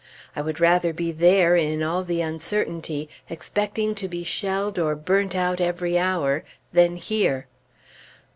I would rather be there, in all the uncertainty, expecting to be shelled or burnt out every hour, than here.